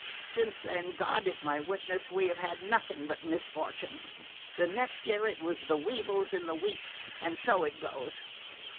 Since then, God is my witness, we have had nothing but misfortune. The next year it was the weevils in the wheat; and so it goes."